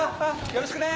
よろしくね。